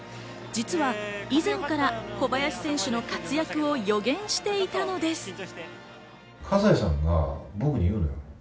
実は以前から小林選手の活躍を予言していたのです。